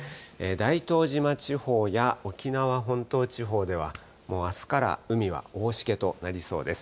大東島地方や沖縄本島地方では、もうあすから海は大しけとなりそうです。